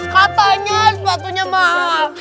katanya sepatunya mahal